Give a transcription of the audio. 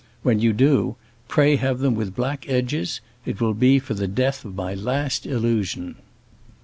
When you do, pray have them with black edges; it will be for the death of my last illusion."